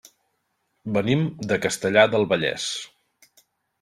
Venim de Castellar del Vallès.